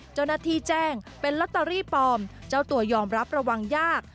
เจ้าหน้าที่แจ้งเป็นลอตเตอรี่ปลอมเจ้าตัวยอมรับระวังยาก